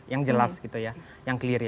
yang jelas yang clear